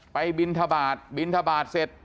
บินทบาทบินทบาทเสร็จ